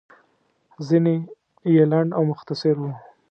ځينې يې لنډ او مختصر وو.